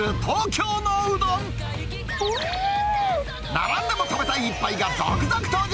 並んでも食べたい一杯が続々登場。